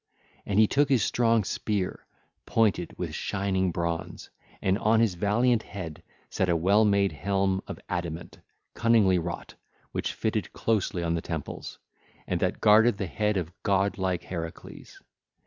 And he took his strong spear, pointed with shining bronze, and on his valiant head set a well made helm of adamant, cunningly wrought, which fitted closely on the temples; and that guarded the head of god like Heracles.